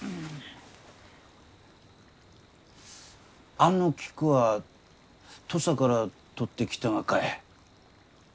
あの菊は土佐から採ってきたがかえ？